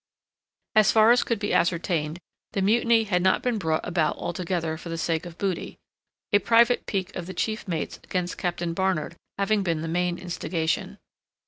As far as could be ascertained, the mutiny had not been brought about altogether for the sake of booty; a private pique of the chief mate's against Captain Barnard having been the main instigation.